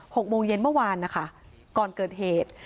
หกโมงเย็นเมื่อวานนะคะก่อนเกิดเหตุ